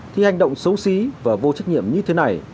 thì hành động xấu xí và vô trách nhiệm như thế này